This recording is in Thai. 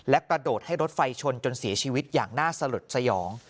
กระโดดให้รถไฟชนจนเสียชีวิตอย่างน่าสลดสยอง